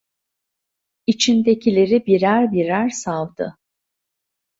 İçindekileri birer birer savdı.